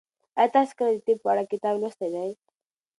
ایا تاسي کله د طب په اړه کتاب لوستی دی؟